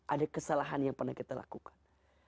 ada kesalahan yang pernah kita lakukan